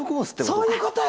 そういうことよ！